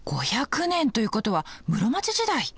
５００年ということは室町時代！